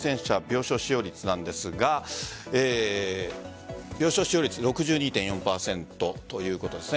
病床使用率なんですが病床使用率６２．４％ということです。